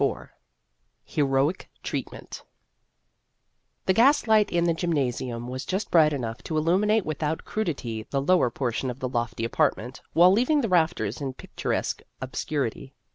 IV HEROIC TREATMENT THE gaslight in the gymnasium was just bright enough to illuminate without crudity the lower portion of the lofty apartment, while leaving the rafters in picturesque obscurity.